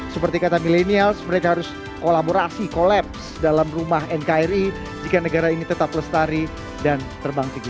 seperti kata milenials mereka harus kolaborasi kolaps dalam rumah nkri jika negara ini tetap lestari dan terbang tinggi